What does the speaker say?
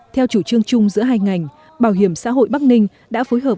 theo chủ trương chung giữa hai ngành bảo hiểm xã hội bắc ninh đã phối hợp